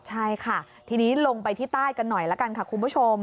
ใช่ค่ะทีนี้ลงไปที่ใต้กันหน่อยละกันค่ะคุณผู้ชม